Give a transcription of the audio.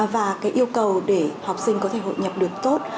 và cái yêu cầu để học sinh có thể hội nhập được tốt